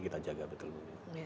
kita jaga betul betul